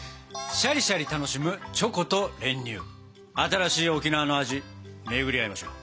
新しい沖縄の味巡り合いましょう。